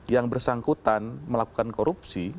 yang bersangkutan melakukan korupsi